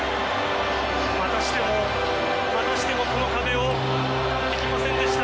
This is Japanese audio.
またしても、またしてもその壁を越えていけませんでした。